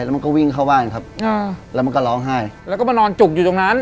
แล้วมันก็วิ่งเข้าบ้านครับอ่าแล้วมันก็ร้องไห้แล้วก็มานอนจุกอยู่ตรงนั้น